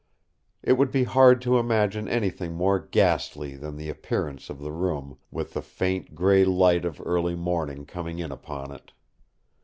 It would be hard to imagine anything more ghastly than the appearance of the room with the faint grey light of early morning coming in upon it.